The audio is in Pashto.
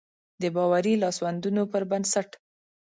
د باوري لاسوندونو پر بنسټ.